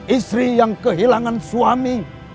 istri yang kehilangan suami